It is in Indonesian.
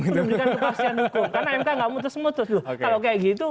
karena mk gak mutus mutus kalau kayak gitu